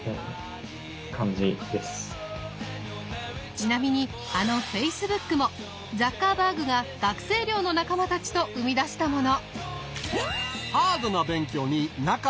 ちなみにあのフェイスブックもザッカーバーグが学生寮の仲間たちと生み出したもの。